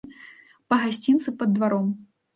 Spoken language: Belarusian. Па гасцінцы пад дваром.